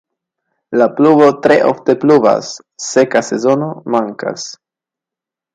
La pluvo tre ofte pluvas, seka sezono mankas.